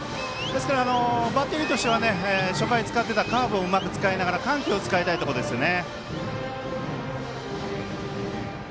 バッテリーとしては初回使ってたカーブを使いながら緩急を使いたいところですよね。